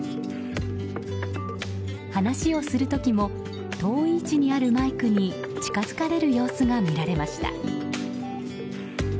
話をする時も遠い位置にあるマイクに近づかれる様子が見られました。